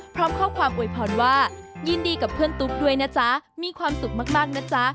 พร้อมข้อความอวยพรว่ายินดีกับเพื่อนตุ๊กด้วยนะจ๊ะมีความสุขมากนะจ๊ะ